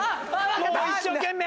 もう一生懸命。